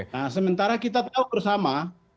nah sementara kita tahu bersama